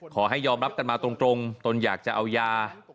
ขอให้ยอมรับกันมาตรงตนอยากจะเอายา